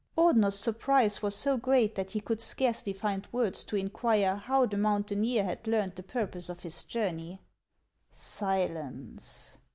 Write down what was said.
Ordener's surprise was so great that he could scarcely find words to inquire how the mountaineer had learned the purpose of his journey. " Silence